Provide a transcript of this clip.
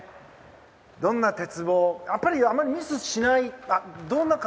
どんな鉄棒あまりミスしない？